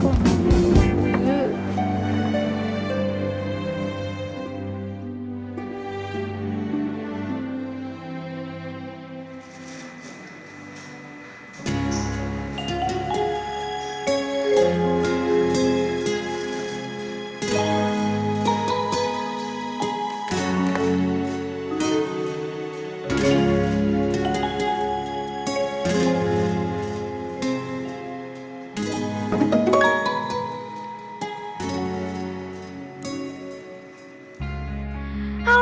kita mau ke jakarta